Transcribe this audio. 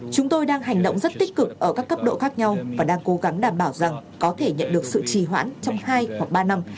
chúng tôi đang hành động rất tích cực ở các cấp độ khác nhau và đang cố gắng đảm bảo rằng có thể nhận được sự trì hoãn trong hai hoặc ba năm